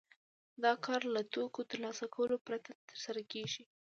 دا کار له توکو ترلاسه کولو پرته ترسره کېږي